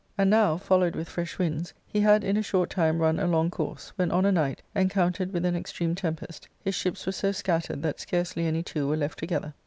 And now, followed with fresh winds, he had in a short time run a long course, when on a night, encountered with an extreme tempest, his ships were so scattered that scarcely any two were left toge ther.